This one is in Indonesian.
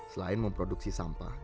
selain memproduksi sampah